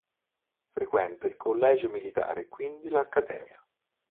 Frequenta il Collegio Militare quindi l'Accademia.